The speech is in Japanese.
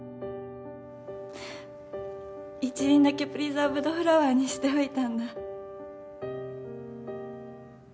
一輪だけプリザーブドフラワーにしておいたんだ。